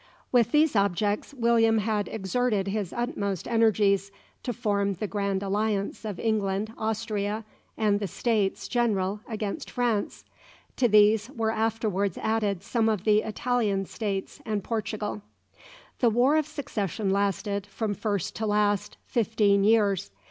With these objects, William had exerted his utmost energies to form the grand alliance of England, Austria, and the States general against France. To these were afterwards added some of the Italian states and Portugal. The War of Succession lasted, from first to last, fifteen years.